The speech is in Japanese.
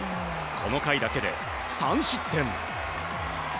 この回だけで３失点。